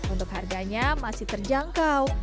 untuk harganya masih terjangkau